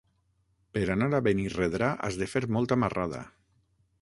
Per anar a Benirredrà has de fer molta marrada.